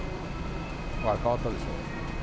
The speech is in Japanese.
ほら、変わったでしょ。